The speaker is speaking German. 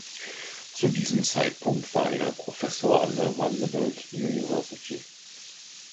Zu diesem Zeitpunkt war er Professor an der Vanderbilt University.